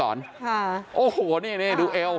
โอ๊ะหัวนี่ดูเอล